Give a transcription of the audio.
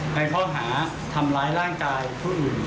ในข้อหาทำร้ายร่างกายผู้อื่น